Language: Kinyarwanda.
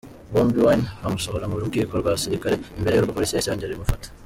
Bobi Wine bamusohora mu rukiko rwa gisirikare, imbere yarwo Police yahise yongera iramufata